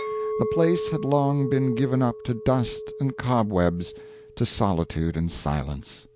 The place had long been given up to dust and cobwebs, to solitude and silence.